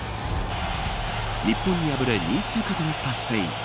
日本に敗れ２位通過となったスペイン。